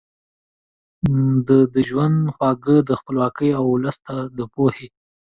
ده د ژوند خواږه د خپلواکۍ او ولس ته د پوهې